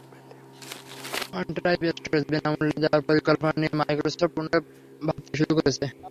OneDrive storage বিনা মূল্যে দেওয়ার পরিকল্পনা নিয়ে মাইক্রোসফট পুনরায় ভাবতে শুরু করেছে।